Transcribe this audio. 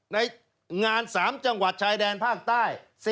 ในงาน๓จังหวัดชายแดนภาคใต้